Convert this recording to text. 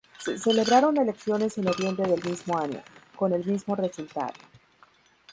Se celebraron elecciones en noviembre del mismo año, con el mismo resultado.